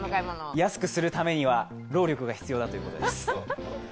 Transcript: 安くするためには労力が必要だということです。